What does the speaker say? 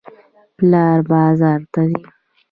پلار بازار ته ځي.